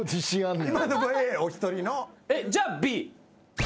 じゃあＢ。